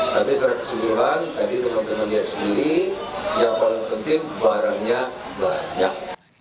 tapi secara keseluruhan tadi teman teman lihat sendiri yang paling penting barangnya banyak